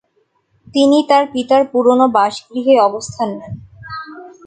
তিনি তার পিতার পুরনো বাসগৃহে অবস্থান নেন।